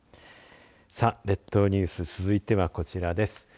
列島ニュース続いてはこちらです。